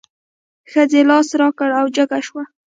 ښځې لاس را کړ او جګه شوه.